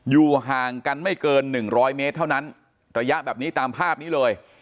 อยู่ห่างกันไม่เกิน๑๐๐เมตรเท่านั้นระยะแบบนี้ตามภาพนี้เลย